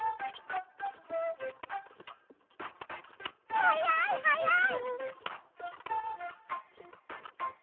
はやいはやい！